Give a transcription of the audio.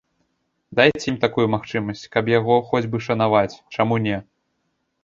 Дайце ім такую магчымасць, каб яго хоць бы шанаваць, чаму не?